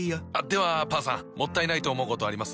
ではパンさんもったいないと思うことあります？